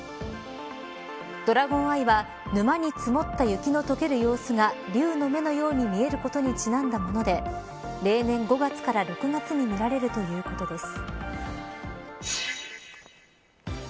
ドラゴンアイは沼に積もった雪の除ける様子が龍の目のように見えることにちなんだもので例年５月から６月に見られるということです。